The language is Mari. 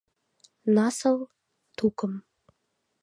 Насыл — тукым.